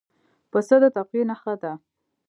پسه د تقوی نښه ده.